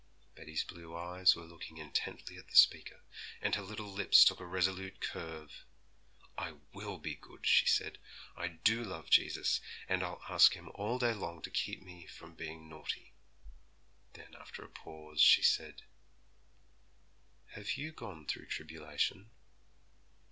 Betty's blue eyes were looking intently at the speaker; and her little lips took a resolute curve. 'I will be good,' she said; 'I do love Jesus, and I'll ask Him all day long to keep me from being naughty.' Then after a pause she said, 'Have you gone through tribulation?'